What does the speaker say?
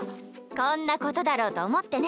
こんなことだろうと思ってね。